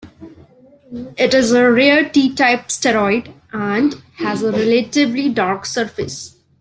It is a rare T-type asteroid and has a relatively dark surface.